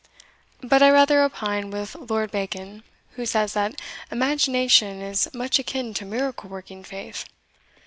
But I rather opine with Lord Bacon, who says that imagination is much akin to miracle working faith.